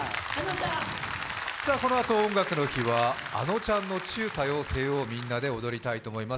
このあと「音楽の日」はａｎｏちゃんの「ちゅ、多様性」をみんなで踊りたいと思います。